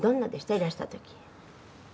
いらした時。